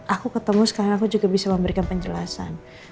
aku ketemu sekarang aku juga bisa memberikan penjelasan